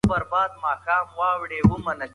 زموږ په انګړ کې د توت لویه ونه ولاړه ده.